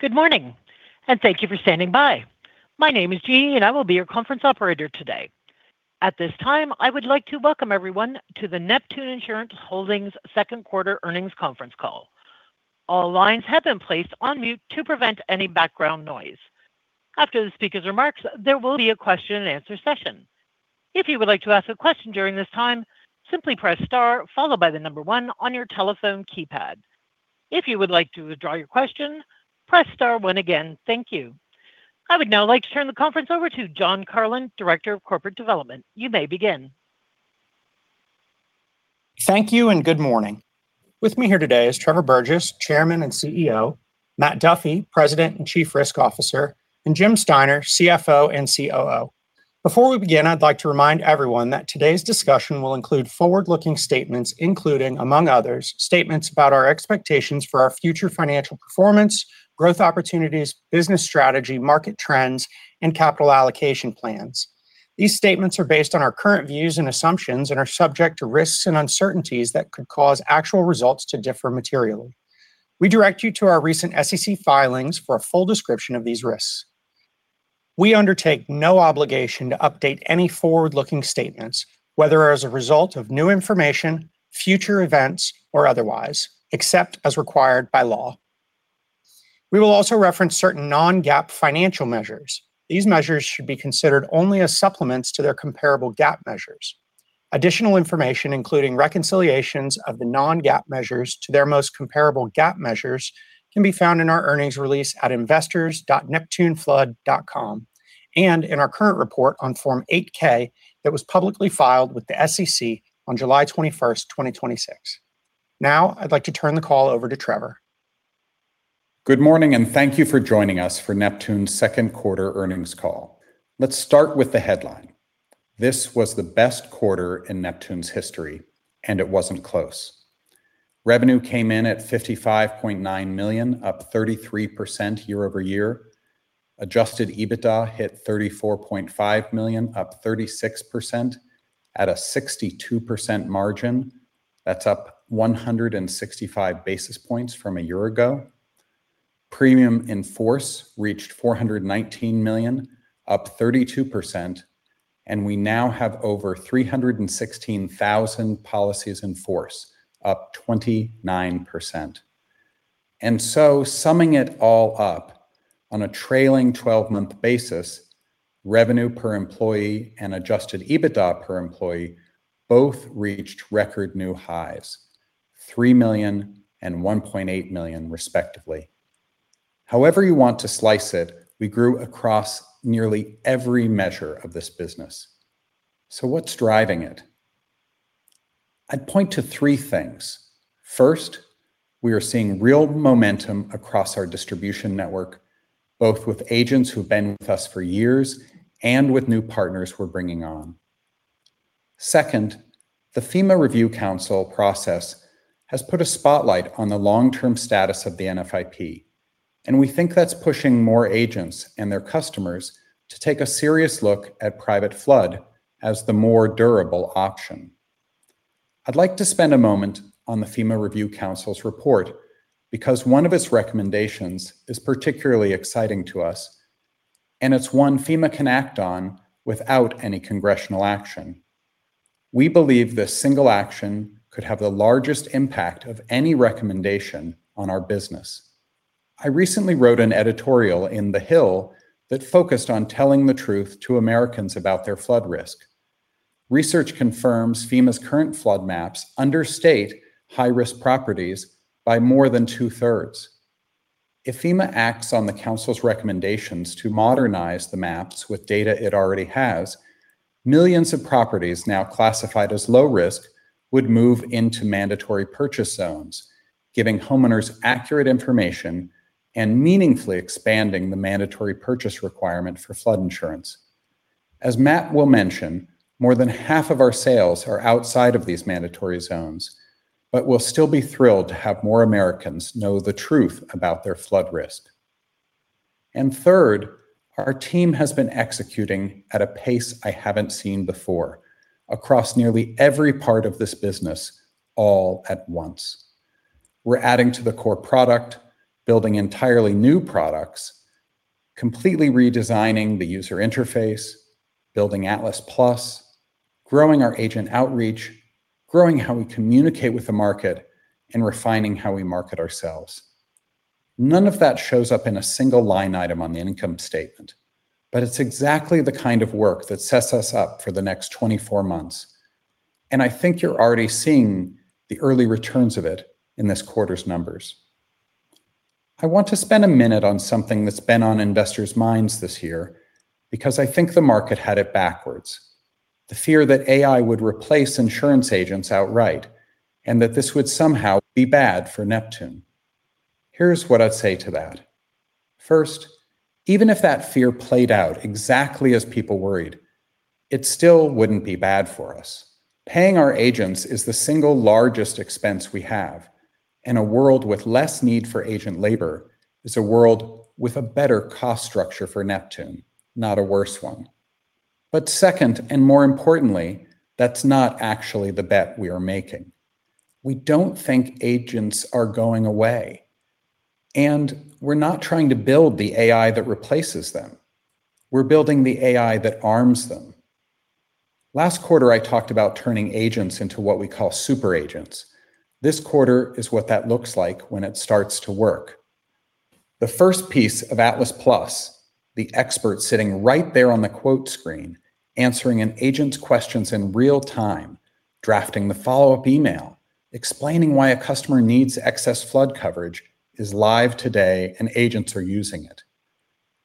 Good morning, and thank you for standing by. My name is Jeannie, and I will be your conference operator today. At this time, I would like to welcome everyone to the Neptune Insurance Holdings Q2 Earnings Conference Call. All lines have been placed on mute to prevent any background noise. After the speaker's remarks, there will be a question-and-answer session. If you would like to ask a question during this time, simply press *1 on your telephone keypad. If you would like to withdraw your question, press *1 again. Thank you. I would now like to turn the conference over to Jon Carlon, Director of Corporate Development. You may begin. Thank you and good morning. With me here today is Trevor Burgess, Chairman and CEO, Matt Duffy, President and Chief Risk Officer, and Jim Steiner, CFO and COO. Before we begin, I'd like to remind everyone that today's discussion will include forward-looking statements, including, among others, statements about our expectations for our future financial performance, growth opportunities, business strategy, market trends, and capital allocation plans. These statements are based on our current views and assumptions and are subject to risks and uncertainties that could cause actual results to differ materially. We direct you to our recent SEC filings for a full description of these risks. We undertake no obligation to update any forward-looking statements, whether as a result of new information, future events, or otherwise, except as required by law. We will also reference certain non-GAAP financial measures. These measures should be considered only as supplements to their comparable GAAP measures. Additional information, including reconciliations of the non-GAAP measures to their most comparable GAAP measures, can be found in our earnings release at investors.neptuneflood.com and in our current report on Form 8-K that was publicly filed with the SEC on July 21st, 2026. Now, I'd like to turn the call over to Trevor. Good morning and thank you for joining us for Neptune's Q2 Earnings Call. Let's start with the headline. This was the best quarter in Neptune's history, and it wasn't close. Revenue came in at $55.9 million, up 33% year-over-year. Adjusted EBITDA hit $34.5 million, up 36% at a 62% margin. That's up 165 basis points from a year ago. Premium in force reached $419 million, up 32%, and we now have over 316,000 policies in force, up 29%. Summing it all up on a trailing 12-month basis, revenue per employee and adjusted EBITDA per employee both reached record new highs, $3 million and $1.8 million respectively. However you want to slice it, we grew across nearly every measure of this business. What's driving it? I'd point to three things. First, we are seeing real momentum across our distribution network, both with agents who've been with us for years and with new partners we're bringing on. Second, the FEMA Review Council process has put a spotlight on the long-term status of the NFIP, and we think that's pushing more agents and their customers to take a serious look at private flood as the more durable option. I'd like to spend a moment on the FEMA Review Council's report because one of its recommendations is particularly exciting to us, and it's one FEMA can act on without any congressional action. We believe this single action could have the largest impact of any recommendation on our business. I recently wrote an editorial in The Hill that focused on telling the truth to Americans about their flood risk. Research confirms FEMA's current flood maps understate high-risk properties by more than two-thirds. If FEMA acts on the council's recommendations to modernize the maps with data it already has, millions of properties now classified as low risk would move into mandatory purchase zones, giving homeowners accurate information and meaningfully expanding the mandatory purchase requirement for flood insurance. As Matt will mention, more than half of our sales are outside of these mandatory zones, but we'll still be thrilled to have more Americans know the truth about their flood risk. Third, our team has been executing at a pace I haven't seen before across nearly every part of this business all at once. We're adding to the core product, building entirely new products, completely redesigning the user interface, building Atlas+, growing our agent outreach, growing how we communicate with the market, and refining how we market ourselves. None of that shows up in a single line item on the income statement, but it's exactly the kind of work that sets us up for the next 24 months, and I think you're already seeing the early returns of it in this quarter's numbers. I want to spend a minute on something that's been on investors' minds this year because I think the market had it backwards. The fear that AI would replace insurance agents outright, and that this would somehow be bad for Neptune. Here's what I'd say to that. First, even if that fear played out exactly as people worried, it still wouldn't be bad for us. Paying our agents is the single largest expense we have, and a world with less need for agent labor is a world with a better cost structure for Neptune, not a worse one. Second, and more importantly, that's not actually the bet we are making. We don't think agents are going away, and we're not trying to build the AI that replaces them. We're building the AI that arms them. Last quarter, I talked about turning agents into what we call super agents. This quarter is what that looks like when it starts to work. The first piece of Atlas+, the expert sitting right there on the quote screen, answering an agent's questions in real time, drafting the follow-up email, explaining why a customer needs excess flood coverage, is live today and agents are using it.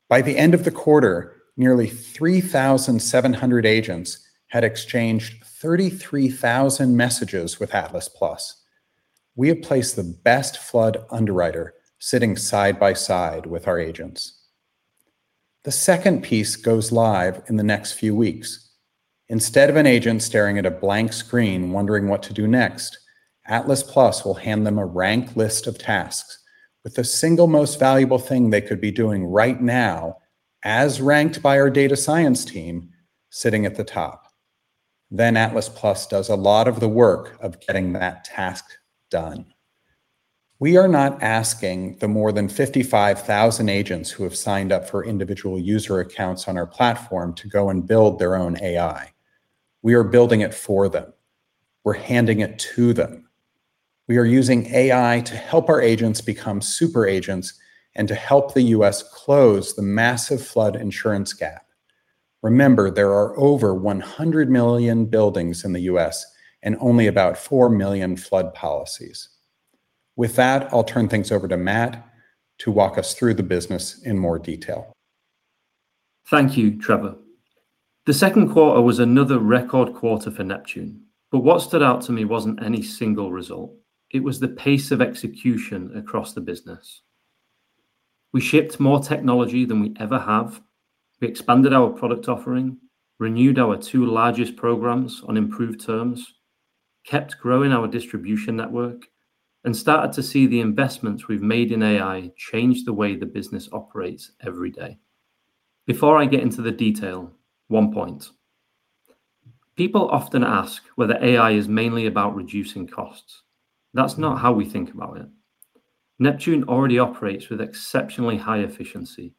By the end of the quarter, nearly 3,700 agents had exchanged 33,000 messages with Atlas+. We have placed the best flood underwriter sitting side by side with our agents. The second piece goes live in the next few weeks. Instead of an agent staring at a blank screen wondering what to do next, Atlas+ will hand them a ranked list of tasks with the single most valuable thing they could be doing right now, as ranked by our data science team, sitting at the top. Atlas+ does a lot of the work of getting that task done. We are not asking the more than 55,000 agents who have signed up for individual user accounts on our platform to go and build their own AI. We are building it for them. We're handing it to them. We are using AI to help our agents become super agents and to help the U.S. close the massive flood insurance gap. Remember, there are over 100 million buildings in the U.S. and only about 4 million flood policies. With that, I'll turn things over to Matt to walk us through the business in more detail. Thank you, Trevor. The Q2 was another record quarter for Neptune. What stood out to me was not any single result. It was the pace of execution across the business. We shipped more technology than we ever have. We expanded our product offering, renewed our two largest programs on improved terms, kept growing our distribution network, and started to see the investments we've made in AI change the way the business operates every day. Before I get into the detail, one point. People often ask whether AI is mainly about reducing costs. That's not how we think about it. Neptune already operates with exceptionally high efficiency,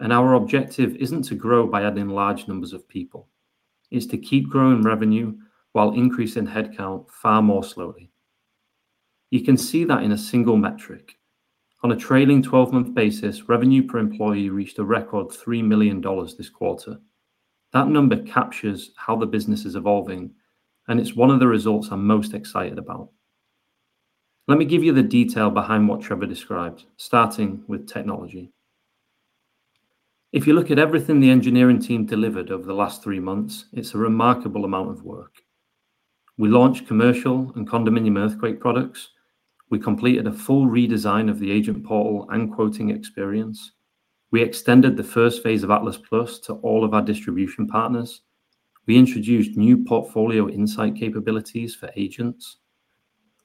and our objective isn't to grow by adding large numbers of people. It's to keep growing revenue while increasing headcount far more slowly. You can see that in a single metric. On a trailing 12-month basis, revenue per employee reached a record $3 million this quarter. That number captures how the business is evolving, and it's one of the results I'm most excited about. Let me give you the detail behind what Trevor described, starting with technology. If you look at everything the engineering team delivered over the last three months, it's a remarkable amount of work. We launched commercial and condominium earthquake products. We completed a full redesign of the Agent Portal and quoting experience. We extended the first phase of Atlas+ to all of our distribution partners. We introduced new portfolio insight capabilities for agents.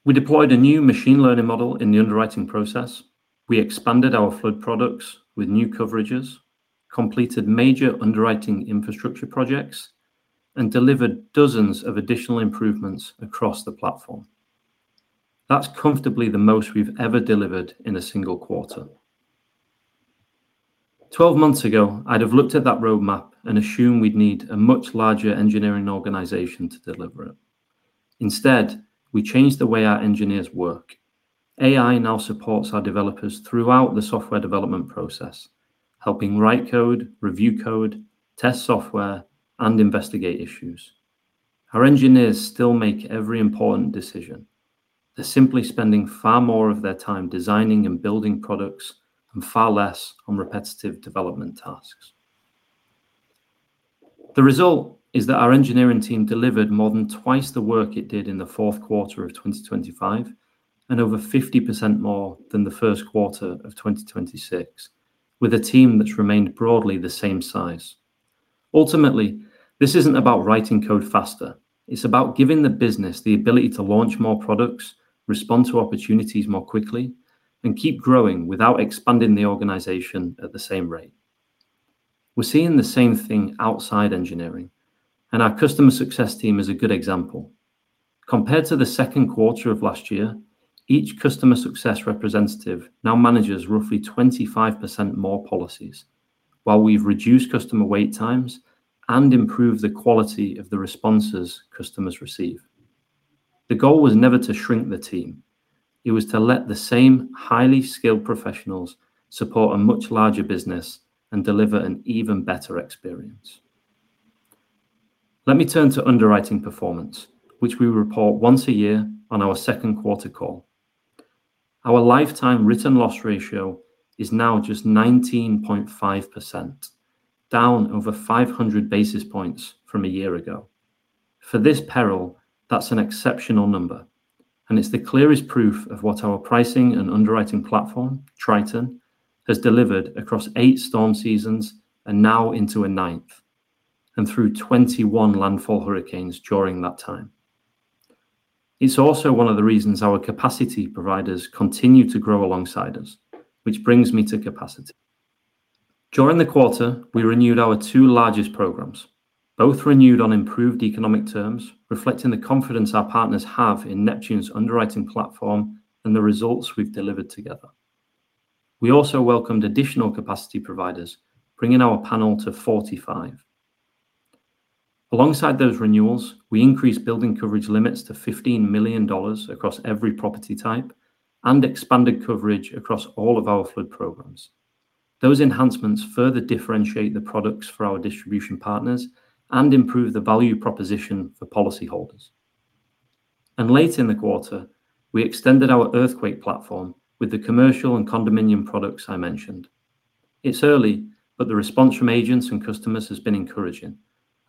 We deployed a new machine learning model in the underwriting process. We expanded our flood products with new coverages, completed major underwriting infrastructure projects, and delivered dozens of additional improvements across the platform. That's comfortably the most we've ever delivered in a single quarter. Twelve months ago, I'd have looked at that roadmap and assumed we'd need a much larger engineering organization to deliver it. Instead, we changed the way our engineers work. AI now supports our developers throughout the software development process, helping write code, review code, test software, and investigate issues. Our engineers still make every important decision. They're simply spending far more of their time designing and building products and far less on repetitive development tasks. The result is that our engineering team delivered more than twice the work it did in the Q4 of 2025 and over 50% more than the Q1 of 2026 with a team that's remained broadly the same size. Ultimately, this isn't about writing code faster. It's about giving the business the ability to launch more products, respond to opportunities more quickly, and keep growing without expanding the organization at the same rate. We're seeing the same thing outside engineering. Our customer success team is a good example. Compared to the Q2 of last year, each customer success representative now manages roughly 25% more policies while we've reduced customer wait times and improved the quality of the responses customers receive. The goal was never to shrink the team. It was to let the same highly skilled professionals support a much larger business and deliver an even better experience. Let me turn to underwriting performance, which we report once a year on our Q2 call. Our lifetime written loss ratio is now just 19.5%, down over 500 basis points from a year ago. For this peril, that's an exceptional number. It's the clearest proof of what our pricing and underwriting platform, Triton, has delivered across eight storm seasons and now into a ninth, through 21 landfall hurricanes during that time. It's also one of the reasons our capacity providers continue to grow alongside us, which brings me to capacity. During the quarter, we renewed our two largest programs, both renewed on improved economic terms, reflecting the confidence our partners have in Neptune's underwriting platform and the results we've delivered together. We also welcomed additional capacity providers, bringing our panel to 45. Alongside those renewals, we increased building coverage limits to $15 million across every property type and expanded coverage across all of our flood programs. Those enhancements further differentiate the products for our distribution partners and improve the value proposition for policyholders. Later in the quarter, we extended our earthquake platform with the commercial and condominium products I mentioned. It's early, but the response from agents and customers has been encouraging,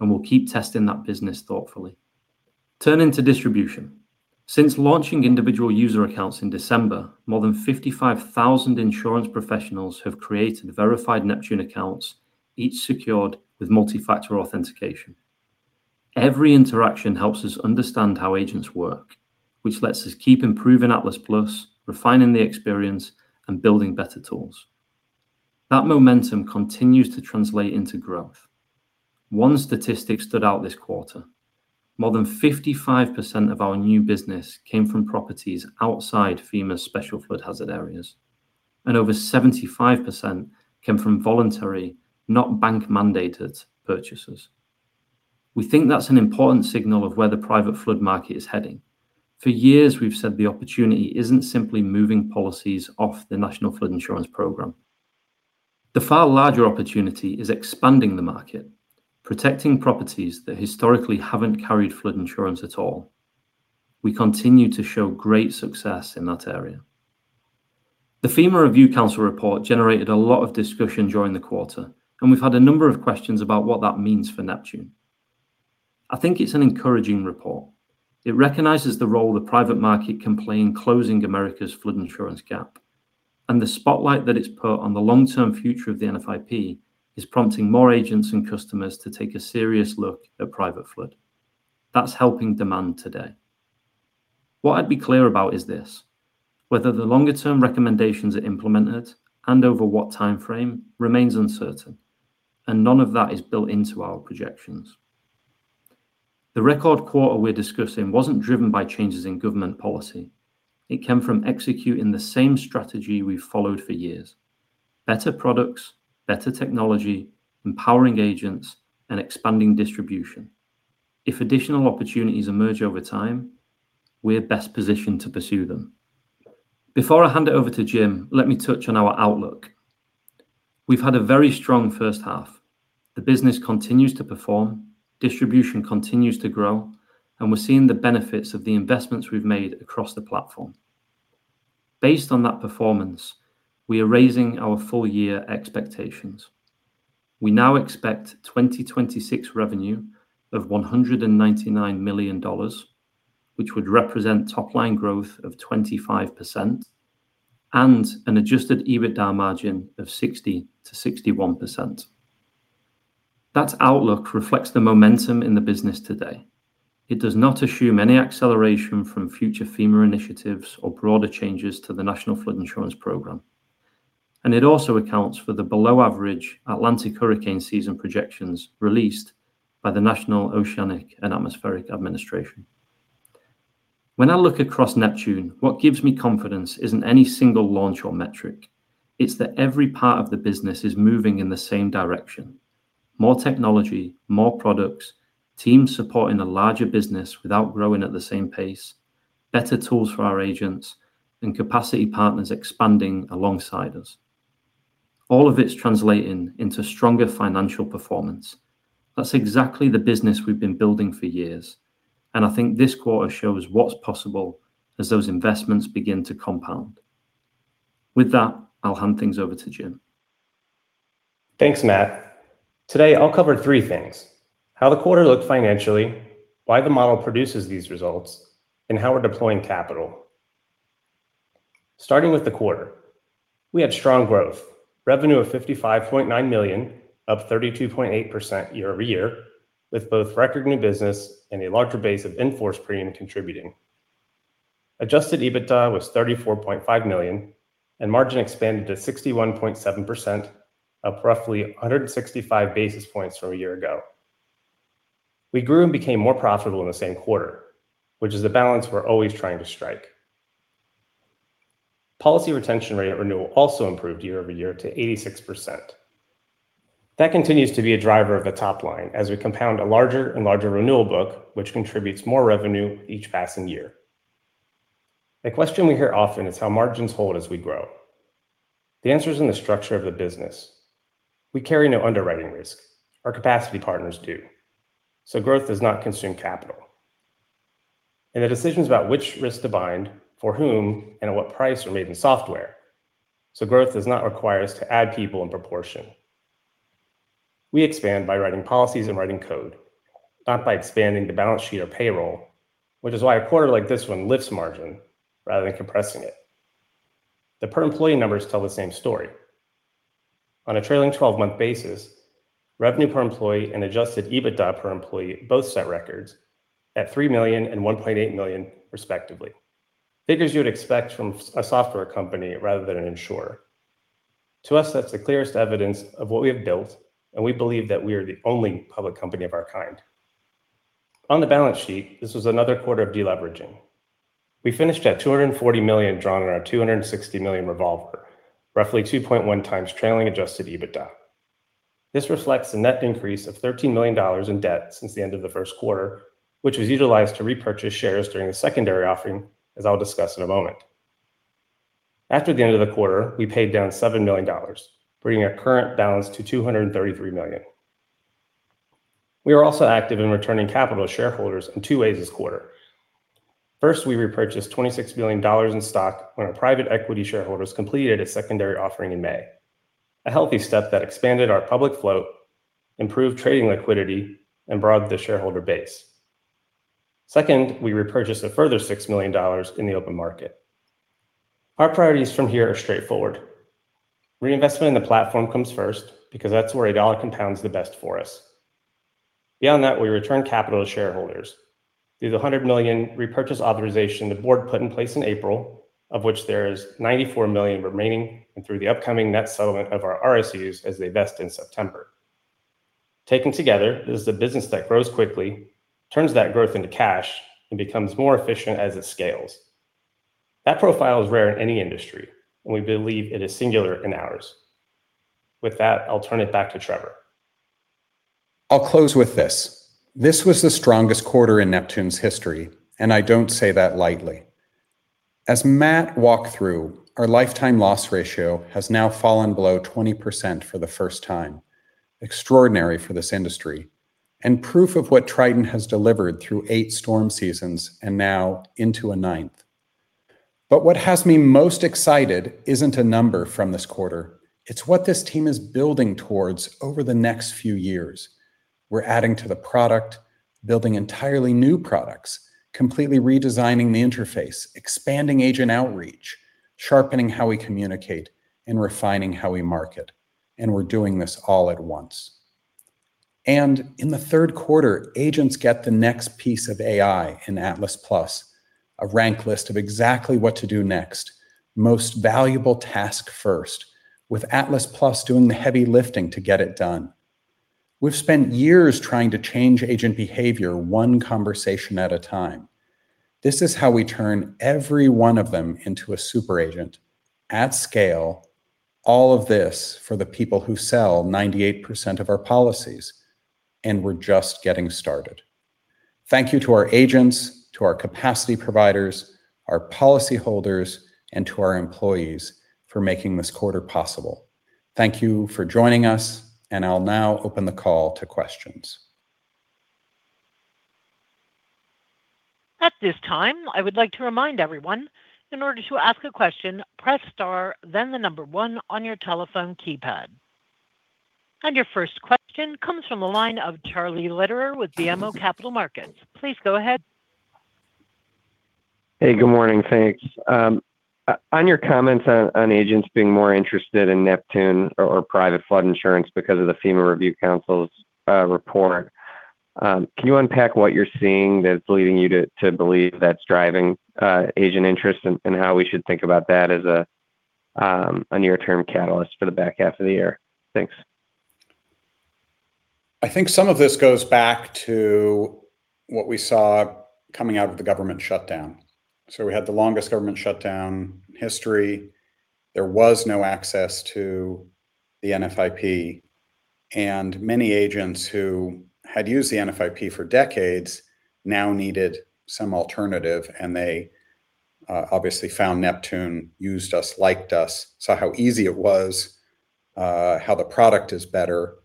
and we'll keep testing that business thoughtfully. Turning to distribution. Since launching individual user accounts in December, more than 55,000 insurance professionals have created verified Neptune accounts, each secured with multi-factor authentication. Every interaction helps us understand how agents work, which lets us keep improving Atlas+, refining the experience, and building better tools. That momentum continues to translate into growth. One statistic stood out this quarter. More than 55% of our new business came from properties outside FEMA's Special Flood Hazard Areas, over 75% came from voluntary, not bank-mandated purchases. We think that's an important signal of where the private flood market is heading. For years, we've said the opportunity isn't simply moving policies off the National Flood Insurance Program. The far larger opportunity is expanding the market, protecting properties that historically haven't carried flood insurance at all. We continue to show great success in that area. The FEMA Review Council report generated a lot of discussion during the quarter, and we've had a number of questions about what that means for Neptune. I think it's an encouraging report. It recognizes the role the private market can play in closing America's flood insurance gap. The spotlight that it's put on the long-term future of the NFIP is prompting more agents and customers to take a serious look at private flood. That's helping demand today. What I'd be clear about is this: whether the longer-term recommendations are implemented and over what timeframe remains uncertain, and none of that is built into our projections. The record quarter we're discussing wasn't driven by changes in government policy. It came from executing the same strategy we've followed for years: better products, better technology, empowering agents, and expanding distribution. If additional opportunities emerge over time, we're best positioned to pursue them. Before I hand it over to Jim, let me touch on our outlook. We've had a very strong first half. The business continues to perform, distribution continues to grow, and we're seeing the benefits of the investments we've made across the platform. Based on that performance, we are raising our full-year expectations. We now expect 2026 revenue of $199 million, which would represent top-line growth of 25% and an adjusted EBITDA margin of 60%-61%. That outlook reflects the momentum in the business today. It does not assume any acceleration from future FEMA initiatives or broader changes to the National Flood Insurance Program. It also accounts for the below-average Atlantic hurricane season projections released by the National Oceanic and Atmospheric Administration. When I look across Neptune, what gives me confidence isn't any single launch or metric. It's that every part of the business is moving in the same direction. More technology, more products, teams supporting a larger business without growing at the same pace, better tools for our agents, and capacity partners expanding alongside us. All of it's translating into stronger financial performance. That's exactly the business we've been building for years, and I think this quarter shows what's possible as those investments begin to compound. With that, I'll hand things over to Jim. Thanks, Matt. Today, I'll cover three things: how the quarter looked financially, why the model produces these results, and how we're deploying capital. Starting with the quarter. We had strong growth. Revenue of $55.9 million up 32.8% year-over-year with both record new business and a larger base of in-force premium contributing. Adjusted EBITDA was $34.5 million, and margin expanded to 61.7%, up roughly 165 basis points from a year ago. We grew and became more profitable in the same quarter, which is the balance we're always trying to strike. Policy retention rate at renewal also improved year-over-year to 86%. That continues to be a driver of the top line as we compound a larger and larger renewal book, which contributes more revenue each passing year. A question we hear often is how margins hold as we grow. The answer is in the structure of the business. We carry no underwriting risk. Our capacity partners do. Growth does not consume capital. The decisions about which risk to bind, for whom, and at what price are made in software. Growth does not require us to add people in proportion. We expand by writing policies and writing code, not by expanding the balance sheet or payroll, which is why a quarter like this one lifts margin rather than compressing it. The per employee numbers tell the same story. On a trailing 12-month basis, revenue per employee and adjusted EBITDA per employee both set records at $3 million and $1.8 million respectively. Figures you would expect from a software company rather than an insurer. To us, that's the clearest evidence of what we have built, and we believe that we are the only public company of our kind. On the balance sheet, this was another quarter of de-leveraging. We finished at $240 million, drawn on our $260 million revolver, roughly 2.1x trailing adjusted EBITDA. This reflects a net increase of $13 million in debt since the end of the Q1, which was utilized to repurchase shares during the secondary offering, as I'll discuss in a moment. After the end of the quarter, we paid down $7 million, bringing our current balance to $233 million. We are also active in returning capital to shareholders in two ways this quarter. First, we repurchased $26 million in stock when our private equity shareholders completed a secondary offering in May. A healthy step that expanded our public float, improved trading liquidity, and broadened the shareholder base. Second, we repurchased a further $6 million in the open market. Our priorities from here are straightforward. Reinvestment in the platform comes first because that's where a dollar compounds the best for us. Beyond that, we return capital to shareholders through the $100 million repurchase authorization the board put in place in April, of which there is $94 million remaining, and through the upcoming net settlement of our RSUs as they vest in September. Taken together, this is a business that grows quickly, turns that growth into cash, and becomes more efficient as it scales. That profile is rare in any industry, and we believe it is singular in ours. With that, I'll turn it back to Trevor. I'll close with this. This was the strongest quarter in Neptune's history. I don't say that lightly. As Matt walked through, our lifetime loss ratio has now fallen below 20% for the first time. Extraordinary for this industry. Proof of what Triton has delivered through eight storm seasons and now into a ninth. What has me most excited isn't a number from this quarter, it's what this team is building towards over the next few years. We're adding to the product, building entirely new products, completely redesigning the interface, expanding agent outreach, sharpening how we communicate, and refining how we market, and we're doing this all at once. In the Q3, agents get the next piece of AI in Atlas+, a rank list of exactly what to do next. Most valuable task first, with Atlas+ doing the heavy lifting to get it done. We've spent years trying to change agent behavior one conversation at a time. This is how we turn every one of them into a super agent at scale. All of this for the people who sell 98% of our policies. We're just getting started. Thank you to our agents, to our capacity providers, our policy holders, and to our employees for making this quarter possible. Thank you for joining us. I'll now open the call to questions. At this time, I would like to remind everyone, in order to ask a question, press *1 on your telephone keypad. Your first question comes from the line of Charlie Lederer with BMO Capital Markets. Please go ahead. Hey, good morning. Thanks. On your comments on agents being more interested in Neptune or private flood insurance because of the FEMA Review Council's report, can you unpack what you're seeing that's leading you to believe that's driving agent interest and how we should think about that as a near-term catalyst for the back half of the year? Thanks. I think some of this goes back to what we saw coming out of the government shutdown. We had the longest government shutdown in history. There was no access to the NFIP. Many agents who had used the NFIP for decades now needed some alternative and they obviously found Neptune, used us, liked us, saw how easy it was, how the product is better.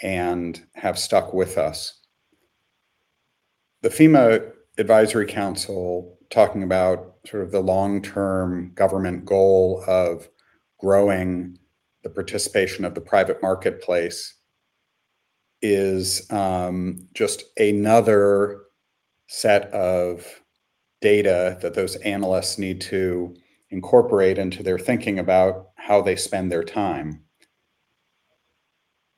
Have stuck with us. The FEMA Advisory Council talking about the long-term government goal of growing the participation of the private marketplace is just another set of data that those analysts need to incorporate into their thinking about how they spend their time.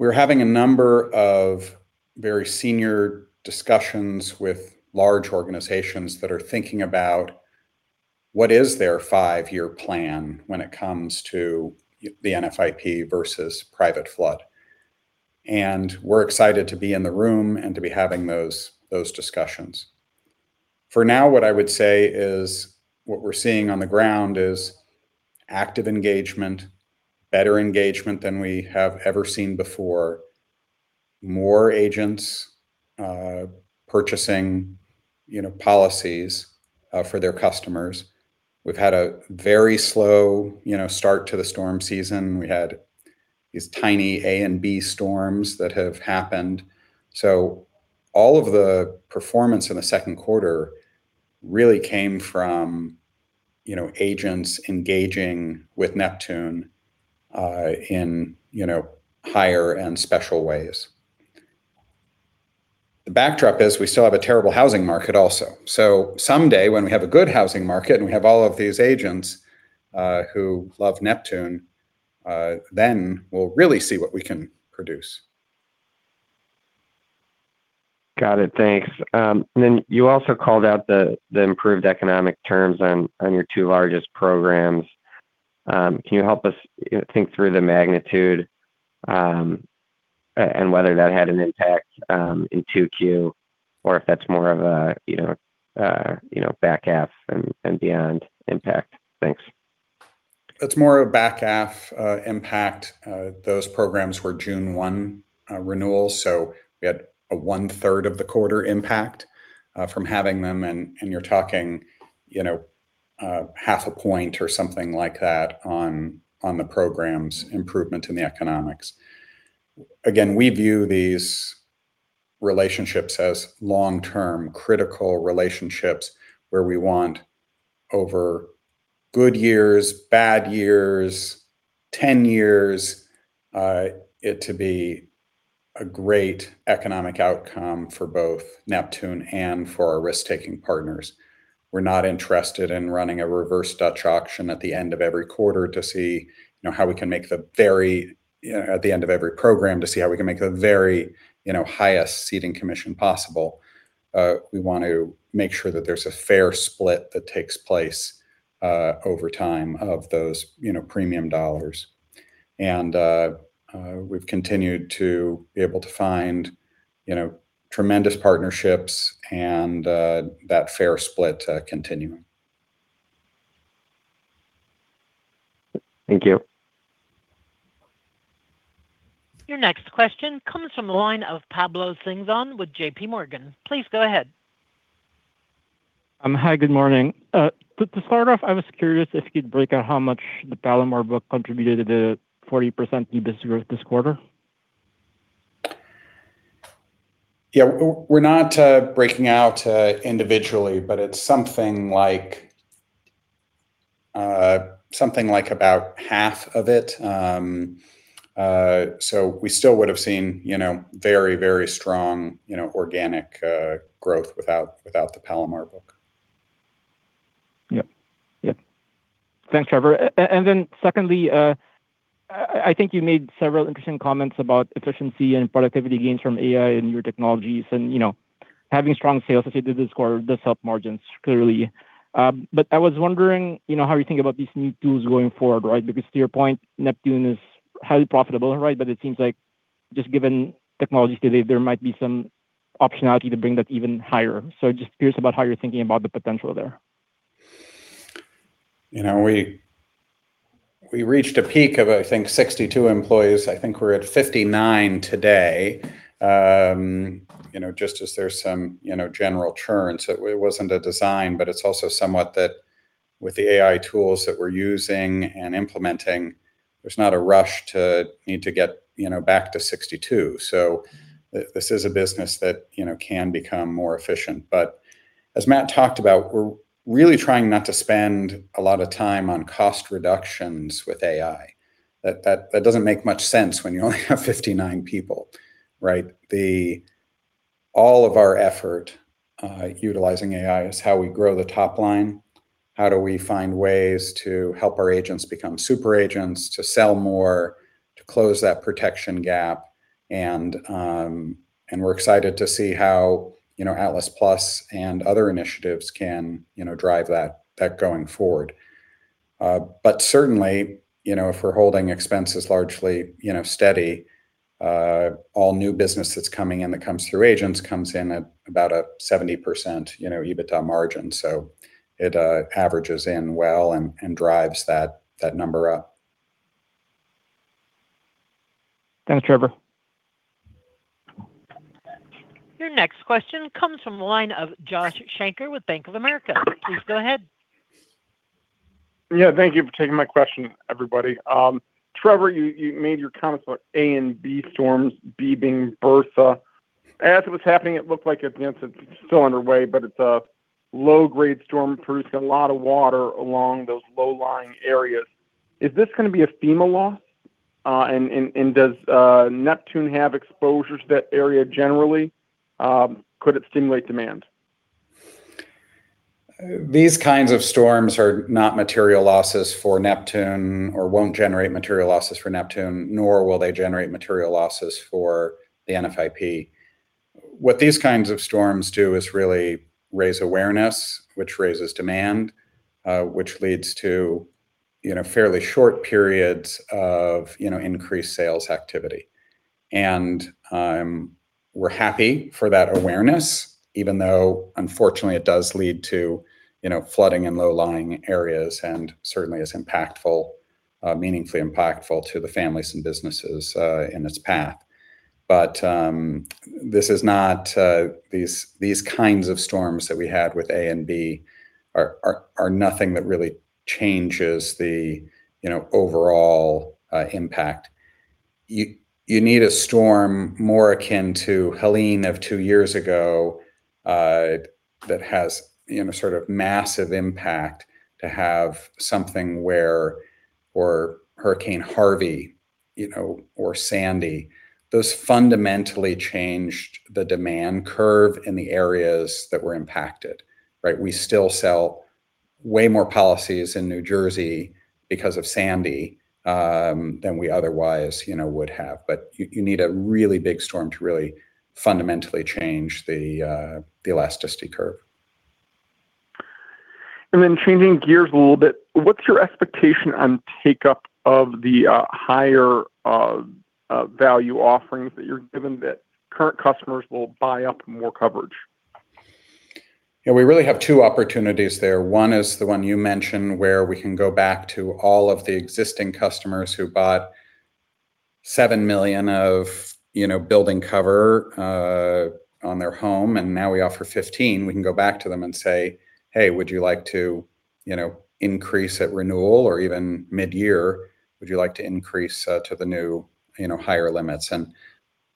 We're having a number of very senior discussions with large organizations that are thinking about what is their five-year plan when it comes to the NFIP versus private flood. We're excited to be in the room and to be having those discussions. For now, what I would say is what we're seeing on the ground is active engagement, better engagement than we have ever seen before. More agents purchasing policies for their customers. We've had a very slow start to the storm season. We had these tiny A and B storms that have happened. All of the performance in the Q2 really came from agents engaging with Neptune in higher and special ways. The backdrop is we still have a terrible housing market also. Someday when we have a good housing market and we have all of these agents who love Neptune, then we'll really see what we can produce. Got it. Thanks. You also called out the improved economic terms on your two largest programs. Can you help us think through the magnitude and whether that had an impact in Q2 or if that's more of a back half and beyond impact? Thanks. It's more a back half impact. Those programs were June 1 renewals, so we had a one-third of the quarter impact from having them, and you're talking half a point or something like that on the programs improvement in the economics. Again, we view these relationships as long-term critical relationships where we want over good years, bad years, 10 years, it to be a great economic outcome for both Neptune and for our risk-taking partners. We're not interested in running a reverse Dutch auction at the end of every program to see how we can make the very highest ceding commission possible. We want to make sure that there's a fair split that takes place over time of those premium dollars. We've continued to be able to find tremendous partnerships and that fair split continuing. Thank you. Your next question comes from the line of Pablo Singzon with JPMorgan. Go ahead. Hi, good morning. To start off, I was curious if you'd break out how much the Palomar book contributed to the 40% EBITDA growth this quarter. Yeah. We're not breaking out individually, but it's something like about half of it. We still would've seen very strong organic growth without the Palomar book. Yep. Thanks, Trevor. Secondly, I think you made several interesting comments about efficiency and productivity gains from AI in your technologies and having strong sales associated this quarter does help margins clearly. I was wondering how you think about these new tools going forward. To your point, Neptune is highly profitable. It seems like just given technology today, there might be some optionality to bring that even higher. Just curious about how you're thinking about the potential there. We reached a peak of, I think, 62 employees. I think we're at 59 today, just as there's some general churn. It wasn't a design, but it's also somewhat that with the AI tools that we're using and implementing, there's not a rush to need to get back to 62. This is a business that can become more efficient. As Matt talked about, we're really trying not to spend a lot of time on cost reductions with AI. That doesn't make much sense when you only have 59 people. All of our effort utilizing AI is how we grow the top line, how do we find ways to help our agents become super agents, to sell more, to close that protection gap, and we're excited to see how Atlas+ and other initiatives can drive that going forward. Certainly, if we're holding expenses largely steady, all new business that's coming in that comes through agents comes in at about a 70% EBITDA margin. It averages in well and drives that number up. Thanks, Trevor. Your next question comes from the line of Josh Shanker with Bank of America. Please go ahead. Yeah. Thank you for taking my question, everybody. Trevor, you made your comments about A and B storms, B being Bertha. As it was happening, it looked like, I mean, it's still underway, but it's a low-grade storm producing a lot of water along those low-lying areas. Is this going to be a FEMA loss? Does Neptune have exposures to that area generally? Could it stimulate demand? These kinds of storms are not material losses for Neptune or won't generate material losses for Neptune, nor will they generate material losses for the NFIP. What these kinds of storms do is really raise awareness, which raises demand, which leads to fairly short periods of increased sales activity. We're happy for that awareness, even though unfortunately it does lead to flooding in low-lying areas and certainly is meaningfully impactful to the families and businesses in its path. These kinds of storms that we had with A and B are nothing that really changes the overall impact. You need a storm more akin to Helene of two years ago that has massive impact to have something where or Hurricane Harvey or Sandy, those fundamentally changed the demand curve in the areas that were impacted, right? We still sell way more policies in New Jersey because of Sandy than we otherwise would have. You need a really big storm to really fundamentally change the elasticity curve. Changing gears a little bit, what's your expectation on take-up of the higher value offerings that you're giving that current customers will buy up more coverage? We really have two opportunities there. One is the one you mentioned, where we can go back to all of the existing customers who bought $7 million of building cover on their home, and now we offer $15 million. We can go back to them and say, "Hey, would you like to increase at renewal or even mid-year? Would you like to increase to the new higher limits?"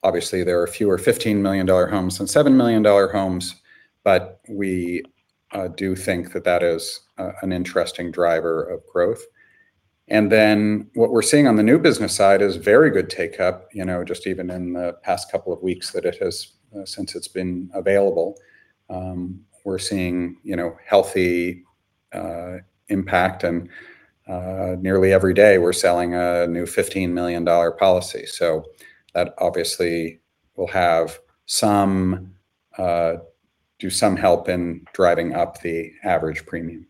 Obviously, there are fewer $15 million homes than $7 million homes, but we do think that that is an interesting driver of growth. Then what we're seeing on the new business side is very good take-up, just even in the past couple of weeks since it's been available. We're seeing healthy impact and nearly every day we're selling a new $15 million policy. That obviously will do some help in driving up the average premium.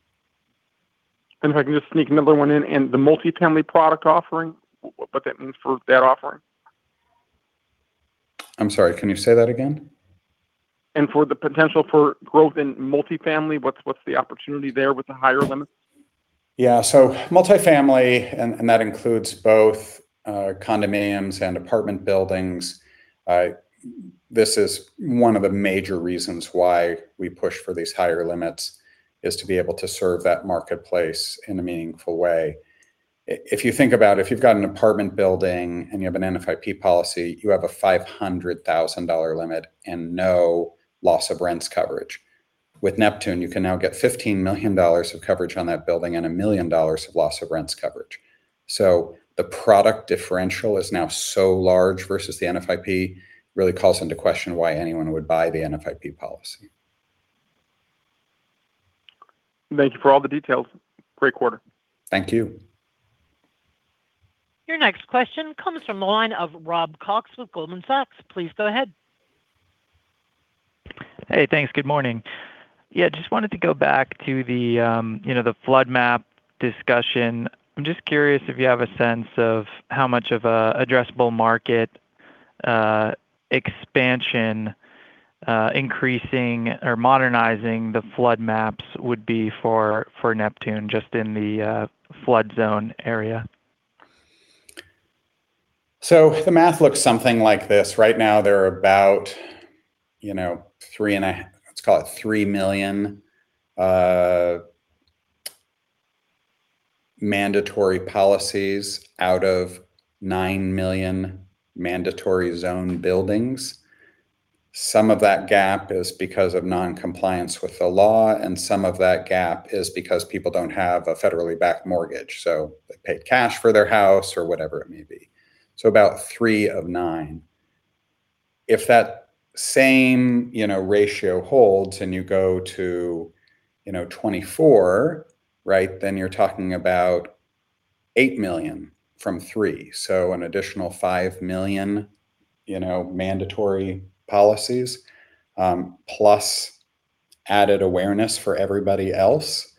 If I can just sneak another one in, the multifamily product offering, what that means for that offering? I'm sorry, can you say that again? For the potential for growth in multifamily, what's the opportunity there with the higher limits? Yeah. Multifamily, and that includes both condominiums and apartment buildings. This is one of the major reasons why we push for these higher limits, is to be able to serve that marketplace in a meaningful way. If you think about if you've got an apartment building and you have an NFIP policy, you have a $500,000 limit and no loss of rents coverage. With Neptune, you can now get $15 million of coverage on that building and $1 million of loss of rents coverage. The product differential is now so large versus the NFIP, really calls into question why anyone would buy the NFIP policy. Thank you for all the details. Great quarter. Thank you. Your next question comes from the line of Rob Cox with Goldman Sachs. Please go ahead. Thanks. Good morning. Just wanted to go back to the flood map discussion. I'm just curious if you have a sense of how much of an addressable market expansion increasing or modernizing the flood maps would be for Neptune just in the flood zone area. The math looks something like this. Right now, there are about, let's call it 3 million mandatory policies out of 9 million mandatory zone buildings. Some of that gap is because of non-compliance with the law, and some of that gap is because people don't have a federally backed mortgage, so they paid cash for their house or whatever it may be. About 3 of 9. If that same ratio holds and you go to 2024, then you're talking about 8 million from 3 million, so an additional 5 million mandatory policies, plus added awareness for everybody else.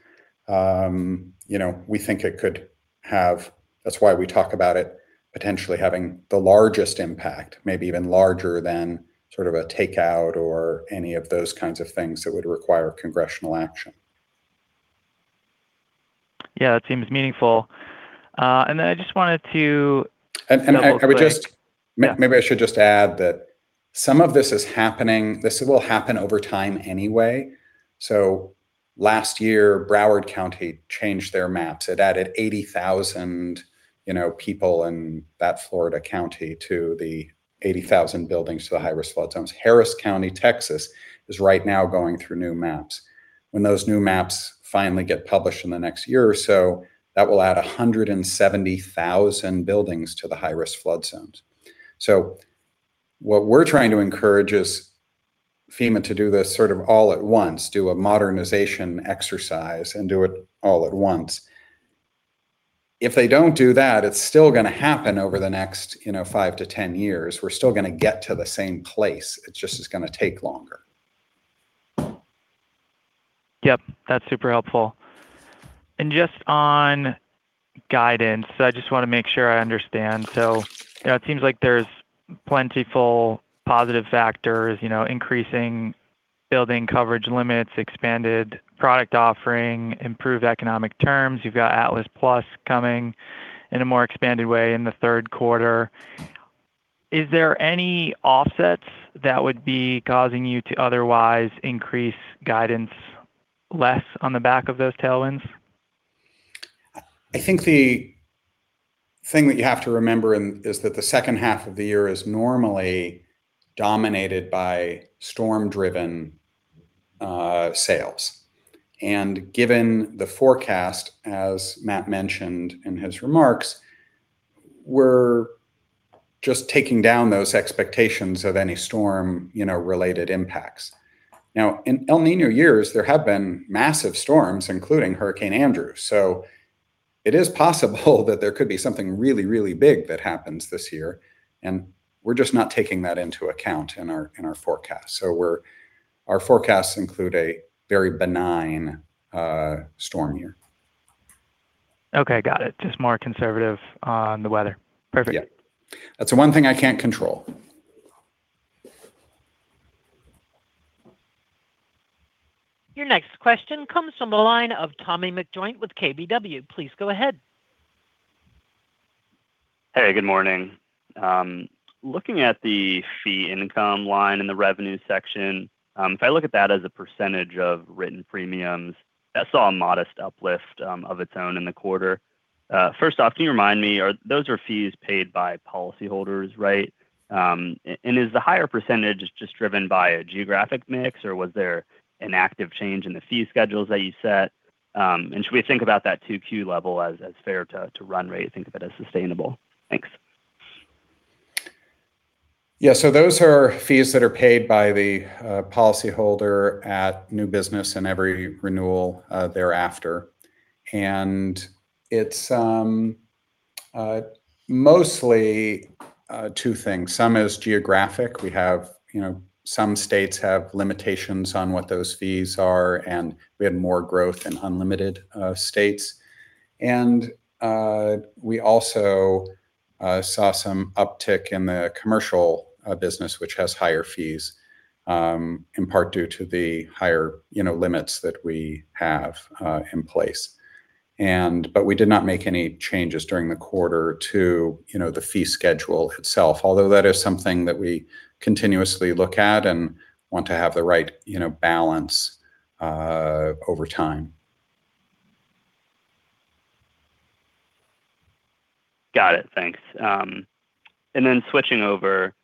We think it could have, that's why we talk about it potentially having the largest impact, maybe even larger than a takeout or any of those kinds of things that would require congressional action. That seems meaningful. Maybe I should just add that some of this is happening, this will happen over time anyway. Last year, Broward County changed their maps. It added 80,000 people in that Florida county to the 80,000 buildings to the high-risk flood zones. Harris County, Texas, is right now going through new maps. When those new maps finally get published in the next year or so, that will add 170,000 buildings to the high-risk flood zones. What we're trying to encourage is FEMA to do this all at once, do a modernization exercise and do it all at once. If they don't do that, it's still going to happen over the next 5-10 years. We're still going to get to the same place. It just is going to take longer. Yep. That's super helpful. Just on guidance, I just want to make sure I understand. It seems like there's plentiful positive factors, increasing building coverage limits, expanded product offering, improved economic terms. You've got Atlas+ coming in a more expanded way in the Q3. Is there any offsets that would be causing you to otherwise increase guidance less on the back of those tailwinds? I think the thing that you have to remember is that the second half of the year is normally dominated by storm-driven sales. Given the forecast, as Matt mentioned in his remarks, we're just taking down those expectations of any storm-related impacts. Now, in El Niño years, there have been massive storms, including Hurricane Andrew. It is possible that there could be something really, really big that happens this year, and we're just not taking that into account in our forecast. Our forecasts include a very benign storm year. Okay. Got it. Just more conservative on the weather. Perfect. Yeah. That's the one thing I can't control. Your next question comes from the line of Tommy McJoynt with KBW. Please go ahead. Hey, good morning. Looking at the fee income line in the revenue section, if I look at that as a percentage of written premiums, that saw a modest uplift of its own in the quarter. First off, can you remind me, those are fees paid by policyholders, right? Is the higher percentage just driven by a geographic mix, or was there an active change in the fee schedules that you set? Should we think about that Q2 level as fair to run rate, think of it as sustainable? Thanks. Yeah. Those are fees that are paid by the policyholder at new business and every renewal thereafter. It's mostly two things. Some is geographic. Some states have limitations on what those fees are, and we had more growth in unlimited states. We also saw some uptick in the commercial business, which has higher fees, in part due to the higher limits that we have in place. We did not make any changes during the quarter to the fee schedule itself, although that is something that we continuously look at and want to have the right balance over time. Got it. Thanks. Switching over,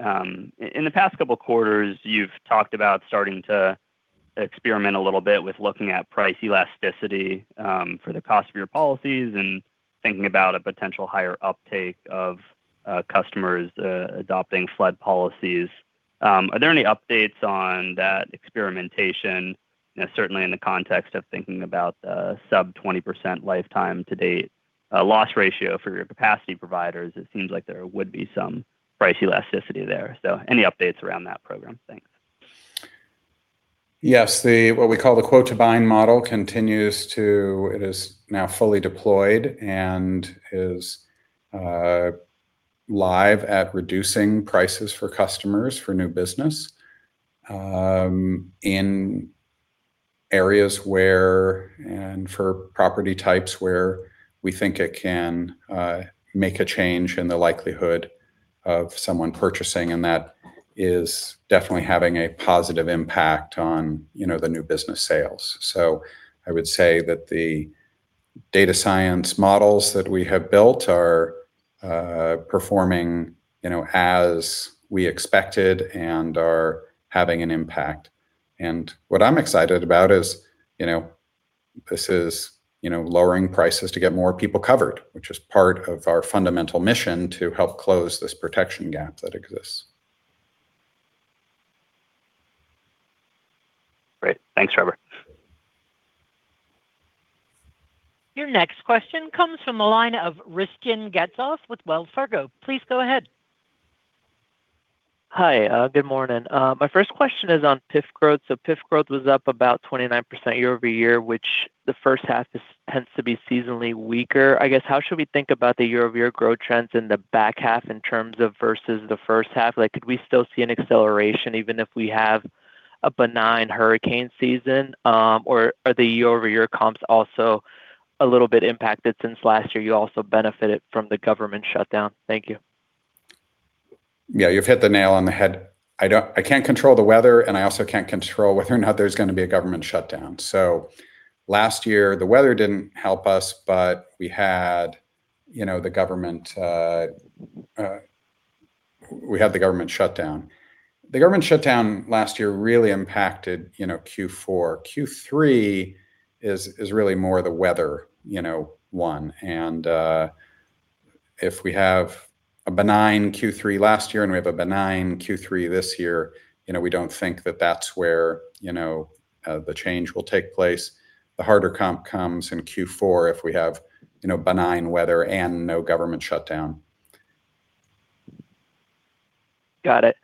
in the past couple of quarters, you've talked about starting to experiment a little bit with looking at price elasticity for the cost of your policies and thinking about a potential higher uptake of customers adopting flood policies. Are there any updates on that experimentation? Certainly in the context of thinking about the sub 20% lifetime to date loss ratio for your capacity providers, it seems like there would be some price elasticity there. Any updates around that program? Thanks. Yes. What we call the quote to bind model. It is now fully deployed and is live at reducing prices for customers for new business in areas where, and for property types where we think it can make a change in the likelihood of someone purchasing, and that is definitely having a positive impact on the new business sales. I would say that the data science models that we have built are performing as we expected and are having an impact. What I am excited about is this is lowering prices to get more people covered, which is part of our fundamental mission to help close this protection gap that exists. Great. Thanks, Trevor. Your next question comes from the line of an Analyst from Wells Fargo. Please go ahead. Hi. Good morning. My first question is on PIF growth. PIF growth was up about 29% year-over-year, which the first half tends to be seasonally weaker. I guess, how should we think about the year-over-year growth trends in the back half in terms of versus the first half? Could we still see an acceleration even if we have a benign hurricane season? Are the year-over-year comps also a little bit impacted since last year you also benefited from the government shutdown? Thank you. Yeah, you've hit the nail on the head. I can't control the weather, and I also can't control whether or not there's going to be a government shutdown. Last year, the weather didn't help us, but we had the government shutdown. The government shutdown last year really impacted Q4. Q3 is really more the weather one. If we have a benign Q3 last year and we have a benign Q3 this year, we don't think that that's where the change will take place. The harder comp comes in Q4 if we have benign weather and no government shutdown. Got it.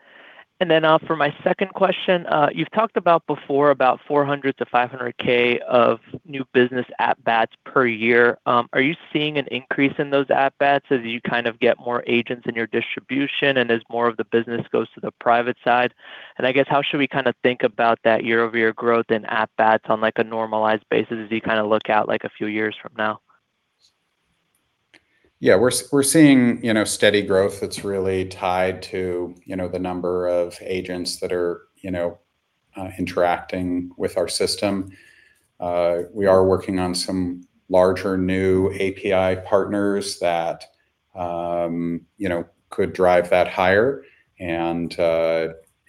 For my second question, you've talked about before about 400K-500K of new business at-bats per year. Are you seeing an increase in those at-bats as you get more agents in your distribution and as more of the business goes to the private side? I guess, how should we think about that year-over-year growth in at-bats on a normalized basis as you look out a few years from now? Yeah, we're seeing steady growth that's really tied to the number of agents that are interacting with our system. We are working on some larger new API partners that could drive that higher,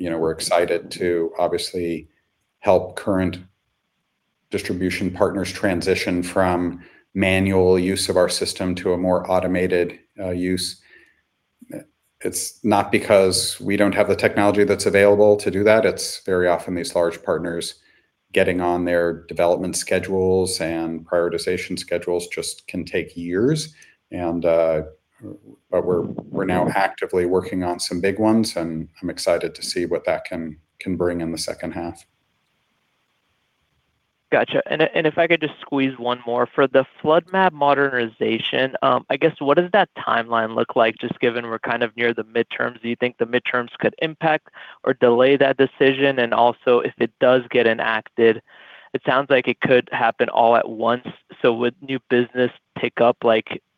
we're excited to obviously help current distribution partners transition from manual use of our system to a more automated use. It's not because we don't have the technology that's available to do that. It's very often these large partners getting on their development schedules and prioritization schedules just can take years. We're now actively working on some big ones, I'm excited to see what that can bring in the second half. Got you. If I could just squeeze one more. For the flood map modernization, I guess what does that timeline look like, just given we're near the midterms? Do you think the midterms could impact or delay that decision? Also, if it does get enacted, it sounds like it could happen all at once. Would new business pick up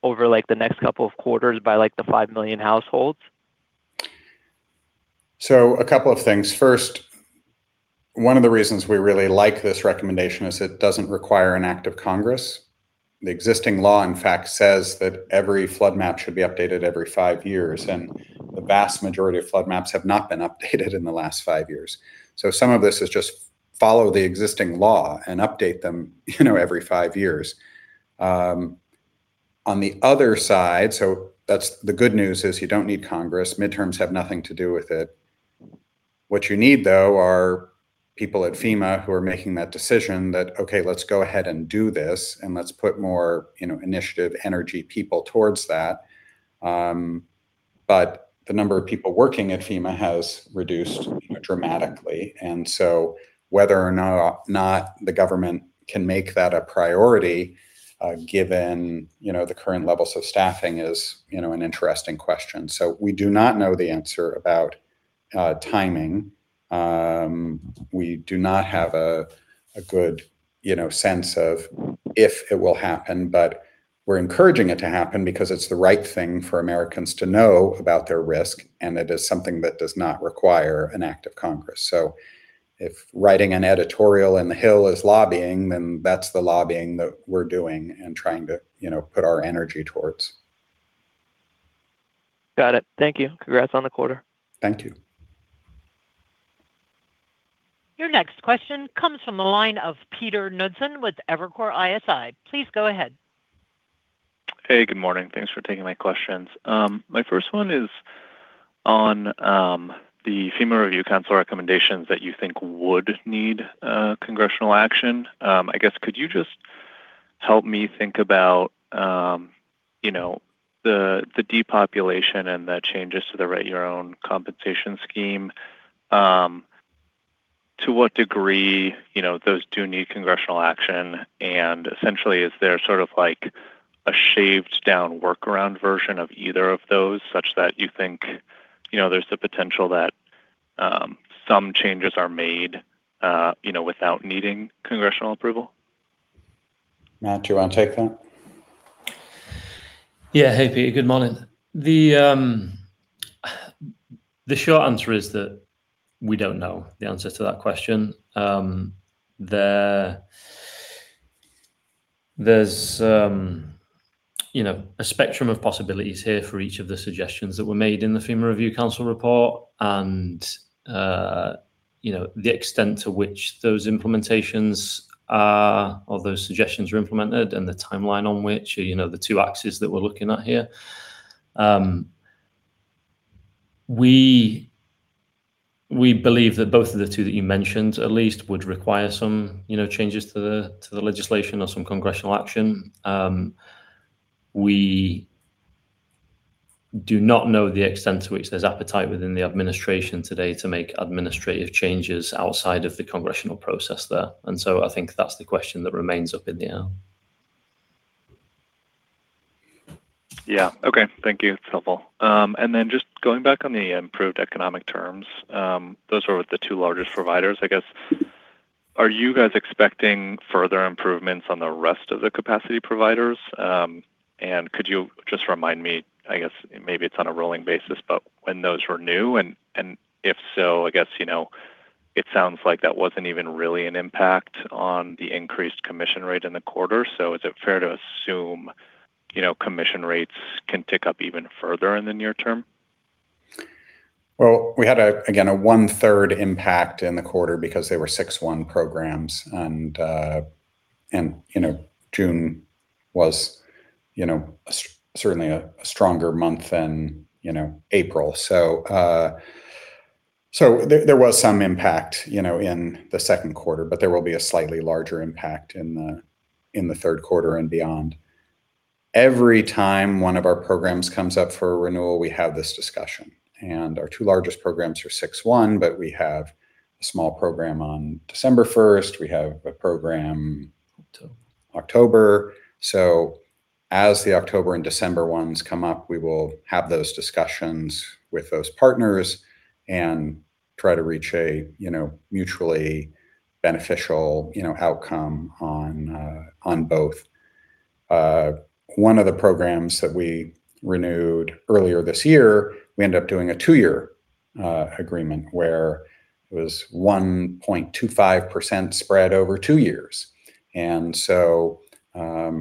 over the next couple of quarters by the five million households? A couple of things. First, one of the reasons we really like this recommendation is it doesn't require an act of Congress. The existing law, in fact, says that every flood map should be updated every five years, and the vast majority of flood maps have not been updated in the last five years. Some of this is just follow the existing law and update them every five years. On the other side, the good news is you don't need Congress. Midterms have nothing to do with it. What you need, though, are people at FEMA who are making that decision that, "Okay, let's go ahead and do this, and let's put more initiative, energy, people towards that." The number of people working at FEMA has reduced dramatically, and whether or not the government can make that a priority, given the current levels of staffing, is an interesting question. We do not know the answer about timing. We do not have a good sense of if it will happen, but we're encouraging it to happen because it's the right thing for Americans to know about their risk, and it is something that does not require an act of Congress. If writing an editorial in The Hill is lobbying, then that's the lobbying that we're doing and trying to put our energy towards. Got it. Thank you. Congrats on the quarter. Thank you. Your next question comes from the line of Peter Knudsen with Evercore ISI. Please go ahead. Hey, good morning. Thanks for taking my questions. My first one is on the FEMA Review Council recommendations that you think would need congressional action. I guess, could you just help me think about the depopulation and the changes to the Write Your Own compensation scheme? To what degree those do need congressional action, and essentially, is there a shaved down workaround version of either of those, such that you think there's the potential that some changes are made without needing congressional approval? Matt, do you want to take that? Yeah. Hey, Peter. Good morning. The short answer is that we don't know the answer to that question. There's a spectrum of possibilities here for each of the suggestions that were made in the FEMA Review Council report and the extent to which those implementations or those suggestions are implemented and the timeline on which are the two axes that we're looking at here. We believe that both of the two that you mentioned, at least, would require some changes to the legislation or some congressional action. We do not know the extent to which there's appetite within the administration today to make administrative changes outside of the congressional process there. I think that's the question that remains up in the air. Yeah. Okay. Thank you. It's helpful. Just going back on the improved economic terms, those were with the two largest providers, I guess. Are you guys expecting further improvements on the rest of the capacity providers? Could you just remind me, I guess maybe it's on a rolling basis, but when those were new, and if so, I guess it sounds like that wasn't even really an impact on the increased commission rate in the quarter. Is it fair to assume commission rates can tick up even further in the near term? Well, we had, again, a one-third impact in the quarter because they were 6-1 programs, and June was certainly a stronger month than April. There was some impact in the Q2, but there will be a slightly larger impact in the Q3 and beyond. Every time one of our programs comes up for renewal, we have this discussion, and our two largest programs are 6-1, but we have a small program on December 1st. We have a program- October October. As the October and December ones come up, we will have those discussions with those partners and try to reach a mutually beneficial outcome on both. One of the programs that we renewed earlier this year, we end up doing a two-year agreement where it was 1.25% spread over two years, and so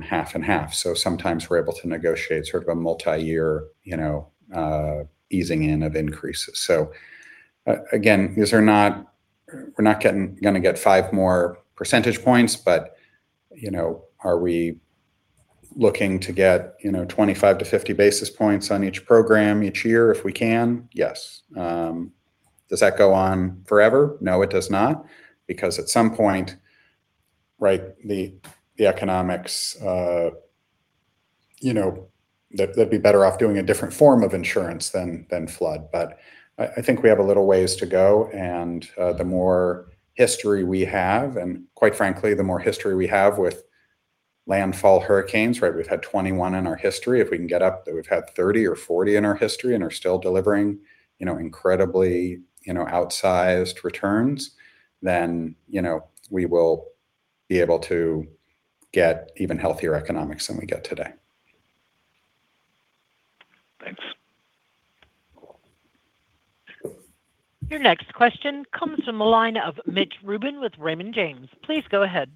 half and half. Sometimes we're able to negotiate sort of a multi-year easing in of increases. Again, we're not going to get five more percentage points, but are we looking to get 25 to 50 basis points on each program each year if we can? Yes. Does that go on forever? No, it does not. Because at some point, the economics, they'd be better off doing a different form of insurance than flood. I think we have a little ways to go, and the more history we have, and quite frankly the more history we have with landfall hurricanes, we've had 21 in our history. If we can get up that we've had 30 or 40 in our history and are still delivering incredibly outsized returns, then we will be able to get even healthier economics than we get today. Thanks. Your next question comes from the line of Mitch Rubin with Raymond James. Please go ahead.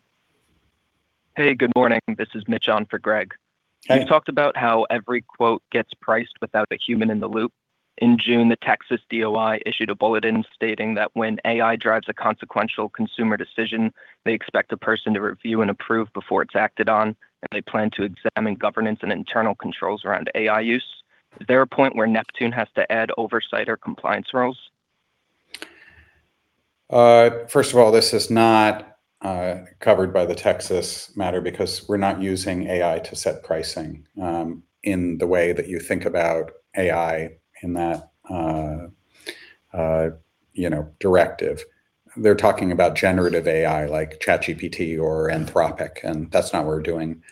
Hey, good morning. This is Mitch on for Greg. Hey. You talked about how every quote gets priced without a human in the loop. In June, the Texas DOI issued a bulletin stating that when AI drives a consequential consumer decision, they expect a person to review and approve before it's acted on, and they plan to examine governance and internal controls around AI use. Is there a point where Neptune has to add oversight or compliance roles? First of all, this is not covered by the Texas matter because we're not using AI to set pricing in the way that you think about AI in that directive. They're talking about generative AI like ChatGPT or Anthropic, and that's not what we're doing.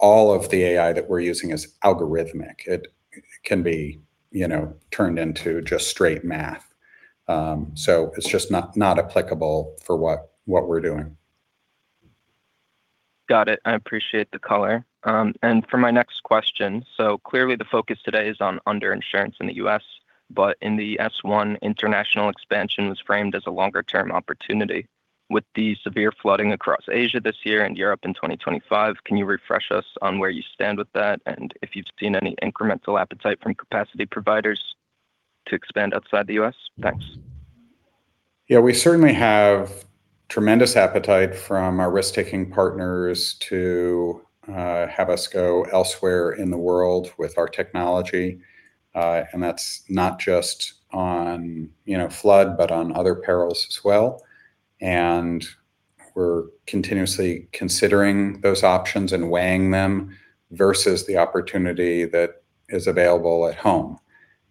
All of the AI that we're using is algorithmic. It can be turned into just straight math. It's just not applicable for what we're doing. Got it. I appreciate the color. For my next question, clearly the focus today is on under-insurance in the U.S., but in the S-1 international expansion was framed as a longer-term opportunity. With the severe flooding across Asia this year and Europe in 2025, can you refresh us on where you stand with that and if you've seen any incremental appetite from capacity providers to expand outside the U.S.? Thanks. We certainly have tremendous appetite from our risk-taking partners to have us go elsewhere in the world with our technology. That's not just on flood, but on other perils as well. We're continuously considering those options and weighing them versus the opportunity that is available at home.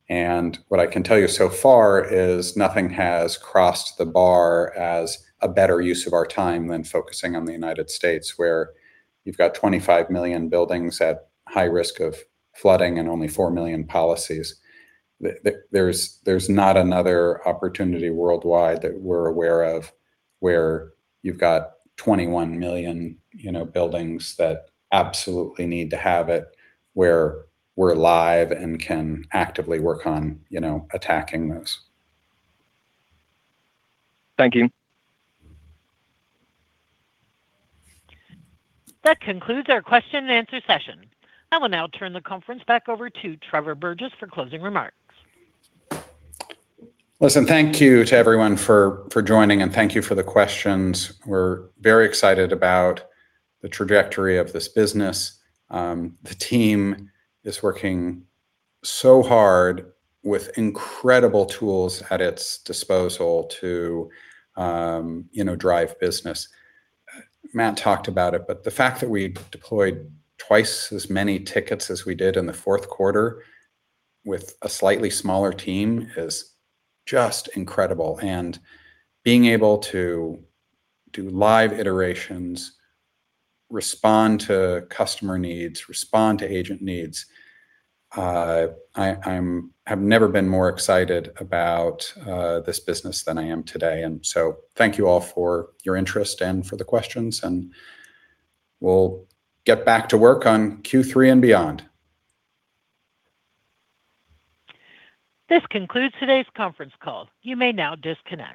What I can tell you so far is nothing has crossed the bar as a better use of our time than focusing on the United States, where you've got 25 million buildings at high risk of flooding and only 4 million policies. There's not another opportunity worldwide that we're aware of where you've got 21 million buildings that absolutely need to have it, where we're live and can actively work on attacking those. Thank you. That concludes our question-and-answer session. I will now turn the conference back over to Trevor Burgess for closing remarks. Thank you to everyone for joining. Thank you for the questions. We're very excited about the trajectory of this business. The team is working so hard with incredible tools at its disposal to drive business. Matt talked about it. The fact that we deployed twice as many tickets as we did in the Q4 with a slightly smaller team is just incredible. Being able to do live iterations, respond to customer needs, respond to agent needs, I have never been more excited about this business than I am today. Thank you all for your interest and for the questions. We'll get back to work on Q3 and beyond. This concludes today's conference call. You may now disconnect.